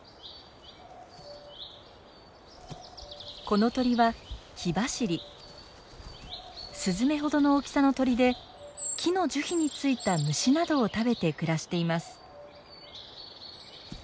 この鳥はスズメほどの大きさの鳥で木の樹皮についた虫などを食べて暮らしています。